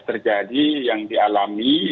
terjadi yang dialami